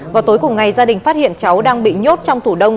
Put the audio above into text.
vào tối cùng ngày gia đình phát hiện cháu đang bị nhốt trong tủ đông